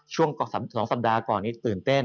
ช่วง๒สัปดาห์ก่อนนี้ตื่นเต้น